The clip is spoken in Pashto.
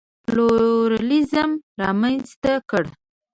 پلورالېزم رامنځته کړ.